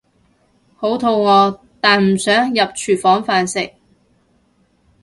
好肚餓但唔想行入廚房飯食